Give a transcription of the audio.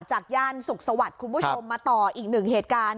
ย่านสุขสวัสดิ์คุณผู้ชมมาต่ออีกหนึ่งเหตุการณ์